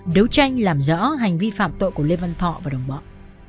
đấu tranh làm rõ hành vi phạm tội của lê văn thọ và đồng bọn